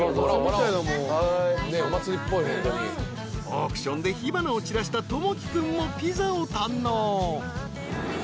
［オークションで火花を散らしたトモキ君もピザを堪能］